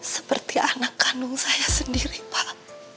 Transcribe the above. seperti anak kandung saya sendiri pak